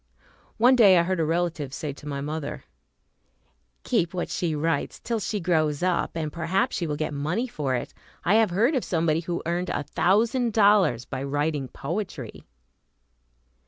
One day I heard a relative say to my mother, "Keep what she writes till she grows up, and perhaps she will get money for it. I have heard of somebody who earned a thousand dollars by writing poetry."